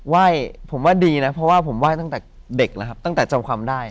ไหว้ผมว่าดีนะเพราะว่าผมไหว้ตั้งแต่เด็กแล้วครับตั้งแต่จำความได้